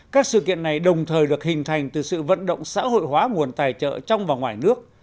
các sự kiện này đồng thời được hình thành từ sự vận động xã hội hóa nguồn tài trợ trong và ngoài nước